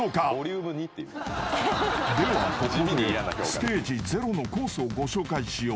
［ではここでステージ０のコースをご紹介しよう］